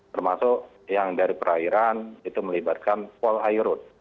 termasuk yang dari perairan itu melibatkan polhai road